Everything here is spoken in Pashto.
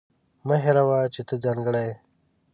مه هېروه چې ته ځانګړې یې.